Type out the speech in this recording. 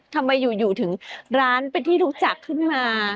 ทำไมอยู่ถึงร้านเป็นที่รู้จักขึ้นมา